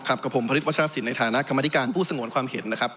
กับผมพระริปชาติสินในฐานกรรมธิการของสงสังหวนความเห็น